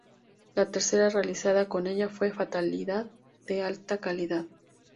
La tercera realizada con ella, fue "Fatalidad", de alta calidad.